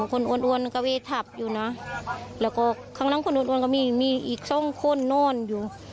คนอ้วนก็ไปทับอยู่นะแล้วก็ครั้งนั้นคนอ้วนก็มีมีอีกสองคนนอนอยู่